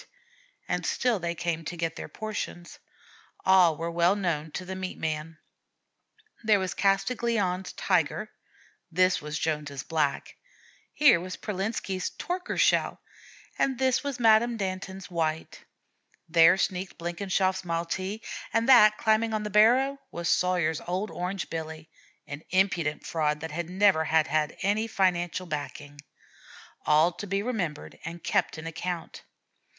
And still they came to get their portions. All were well known to the meat man. There was Castiglione's Tiger; this was Jones's Black; here was Pralitsky's "Torkershell," and this was Madame Danton's White; there sneaked Blenkinshoff's Maltee, and that climbing on the barrow was Sawyer's old Orange Billy, an impudent fraud that never had had any financial backing, all to be remembered and kept in account.